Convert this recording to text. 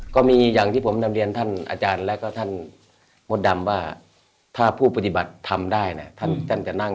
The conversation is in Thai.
ก็มีอย่างที่ผมนำเรียนท่านอาจารย์และก็ท่านมดดำว่าถ้าผู้ปฏิบัติทำได้นะท่านจะนั่ง